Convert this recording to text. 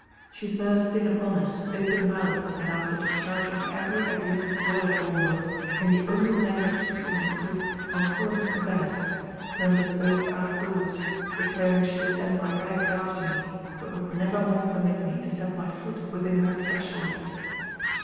She burst in upon us, open mouthed, and after discharging every abusive word almost, in the only language she understood, on poor Mr. Bennet, turned us both out of doors, declaring she would send my rags after me, but would never more permit me to set my foot within her threshold.